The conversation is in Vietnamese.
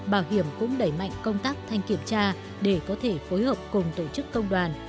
bảo hiểm cũng đẩy mạnh công tác thanh kiểm tra để có thể phối hợp cùng tổ chức công đoàn